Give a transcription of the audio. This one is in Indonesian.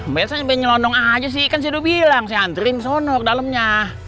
mba esa sampai nyelondong aja sih kan si edu bilang si andrin senur dalemnya